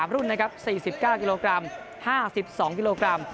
๓รุ่น๔๙กิโลกรัม๕๒กิโลกรัม